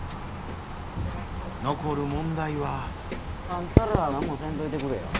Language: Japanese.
残る問題は。あんたらは何もせんといてくれよ。